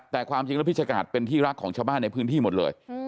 แต่ความจริงแล้วพิชกาศเป็นที่รักของชาวบ้านในพื้นที่หมดเลย